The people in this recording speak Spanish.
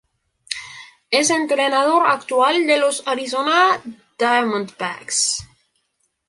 Es entrenador actual de los Arizona Diamondbacks.